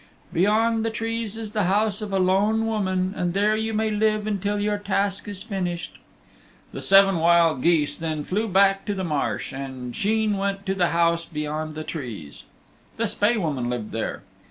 Beyond the trees is the house of a lone woman, and there you may live until your task is finished." The seven wild geese then flew back to the marsh, and Sheen went to the house beyond the trees. The Spae Woman lived there.